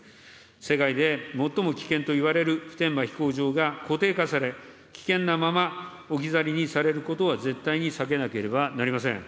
世界で最も危険といわれる普天間飛行場が固定化され、危険なまま置き去りにされることは絶対に避けなければなりません。